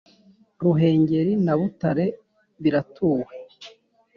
ruhengeri na butare biratuwe